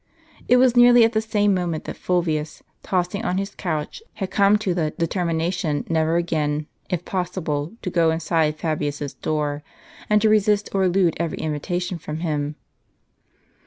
It was nearly at the same moment that Fulvius, tossing on his couch, had come to the determination never again, if jiossible, to go inside Fabius's door, and to resist or elude every invitation from him.